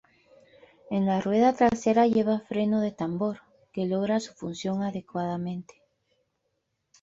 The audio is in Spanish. En la rueda trasera lleva freno de tambor, que logra su función adecuadamente.